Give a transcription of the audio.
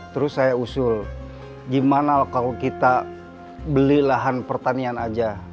terus saya usul gimana lah kalau kita beli lahan pertanian aja